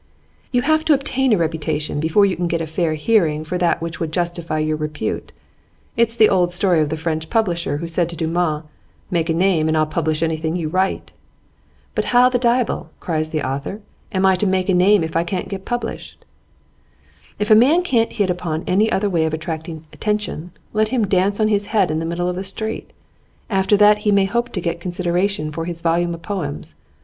'You have to obtain reputation before you can get a fair hearing for that which would justify your repute. It's the old story of the French publisher who said to Dumas: "Make a name, and I'll publish anything you write." "But how the diable," cries the author, "am I to make a name if I can't get published?" If a man can't hit upon any other way of attracting attention, let him dance on his head in the middle of the street; after that he may hope to get consideration for his volume of poems.